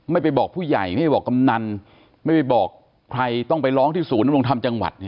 ไม่ไปบอกผู้ใหญ่ไม่บอกกำนันไม่ไปบอกใครต้องไปร้องที่ศูนย์ดำรงธรรมจังหวัด